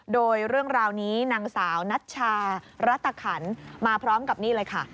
โดยเรื่องราวนี้นางสาวนัชชารัตขันมาพร้อมกับนี่เลยค่ะ